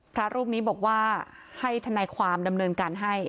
พระรูปนี้บอกว่าให้ทนายความดำเนินการให้